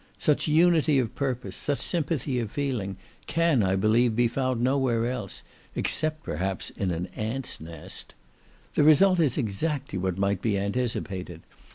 Such unity of purpose, such sympathy of feeling, can, I believe, be found nowhere else, except, perhaps, in an ants' nest. The result is exactly what might be anticipated.